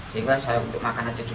sehingga saya untuk makan aja juga